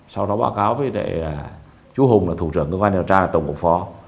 sau đó báo cáo với đại chú hùng là thủ trưởng cơ quan điều tra tổng cục phó